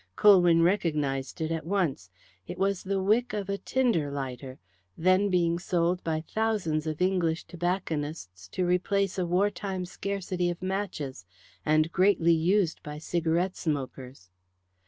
Colwyn recognized it at once. It was the wick of a tinder lighter, then being sold by thousands by English tobacconists to replace a war time scarcity of matches, and greatly used by cigarette smokers.